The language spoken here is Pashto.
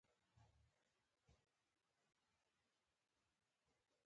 د کانټینرونو ځنډ په بندرونو کې کم شوی